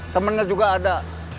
temennya juga ada